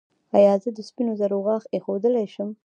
ایا زه د سپینو زرو غاښ ایښودلی شم؟